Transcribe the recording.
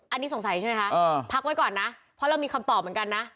อันนี้สงสัยใช่ไหมคะพักไว้ก่อนนะเพราะเรามีคำตอบเหมือนกันนะ